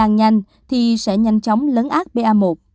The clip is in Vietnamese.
nếu có mấy nhánh thì sẽ nhanh chóng lớn ác ba một